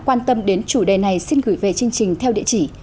quan tâm đến chủ đề này xin gửi về chương trình theo địa chỉ